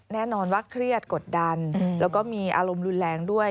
แน่นอนว่าเครียดกดดันแล้วก็มีอารมณ์รุนแรงด้วย